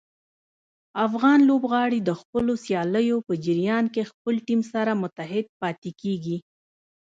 افغان لوبغاړي د خپلو سیالیو په جریان کې خپل ټیم سره متحد پاتې کېږي.